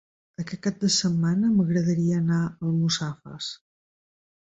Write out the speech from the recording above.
Aquest cap de setmana m'agradaria anar a Almussafes.